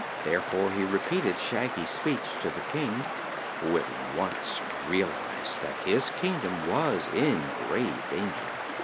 Therefore he repeated Shaggy's speech to the King, who at once realized that his Kingdom was in grave danger.